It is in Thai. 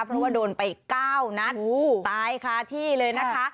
เพราะว่าโดนไป๙นัดตายคาที่เลยนะคะ